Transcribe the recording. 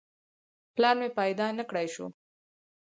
پلار مې پیدا نه کړای شو.